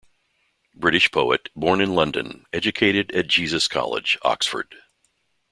British poet, born in London, educated at Jesus College, Oxford.